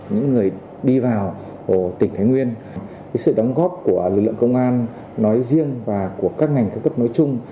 những người đi vào tỉnh thái nguyên sự đóng góp của lực lượng công an nói riêng và của các ngành cao cấp nói chung